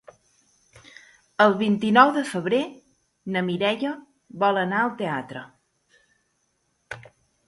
El vint-i-nou de febrer na Mireia vol anar al teatre.